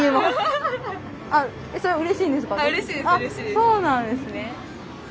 あっそうなんですね。